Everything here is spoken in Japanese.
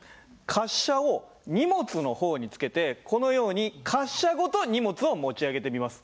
滑車を荷物の方に付けてこのように滑車ごと荷物を持ち上げてみます。